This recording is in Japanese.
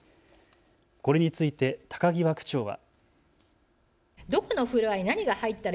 これについて高際区長は。